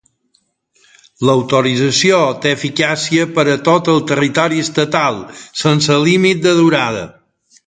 L'autorització té eficàcia per a tot el territori estatal, sense límit de durada.